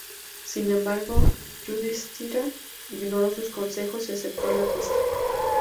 Sin embargo Yudhishthira ignoró sus consejos y aceptó la apuesta.